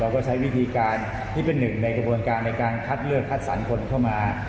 ก็ใช้วิธีการที่เป็นหนึ่งในกระบวนการในการคัดเลือกคัดสรรคนเข้ามา